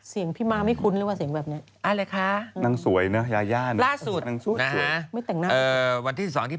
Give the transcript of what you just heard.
เสียงพี่มาไม่คุ้นเลยวะเสียงแบบนี้